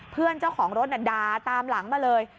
เจ้าของรถด่าตามหลังมาเลย